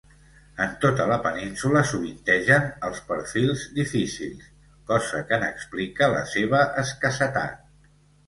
En tota la península sovintegen els perfils difícils, cosa que n'explica la seva escassetat.